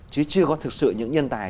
chứ chưa có thực sự những nhân tài